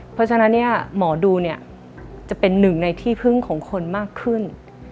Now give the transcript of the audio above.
เพราะฉะนั้นหมอดูจะเป็นหนึ่งในที่พึ่งของคนมากขึ้น